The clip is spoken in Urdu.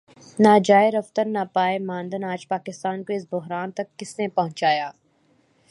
نہ جائے رفتن نہ پائے ماندن آج پاکستان کو اس بحران تک کس نے پہنچایا؟